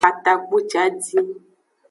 Katapucidin.